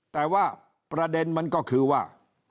แต่ว่าประเด็นมันก็คือว่า